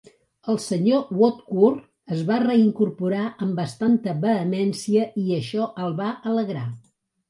El senyor Woodcourt es va reincorporar amb bastanta vehemència i això el va alegrar.